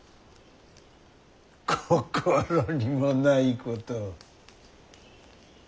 心にもないことを。